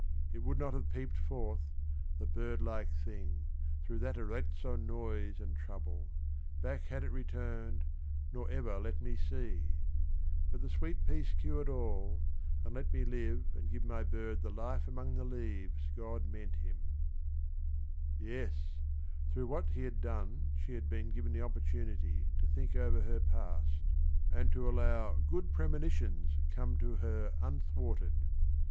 "It would not have peeped forth, the bird like thing, Through that Arezzo noise and trouble : back Had it returned nor ever let me see I But the sweet peace cured all, and let me live And give my bird the life among the leaves God meant him I " Yes: through what he had done she had been given the opportunity to think over her past and to allow "good premonitions" come to her un thwarted.